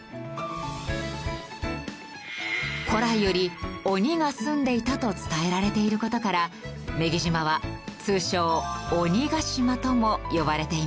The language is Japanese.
古来より鬼がすんでいたと伝えられている事から女木島は通称鬼ヶ島とも呼ばれています。